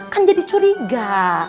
kan dia dicuriga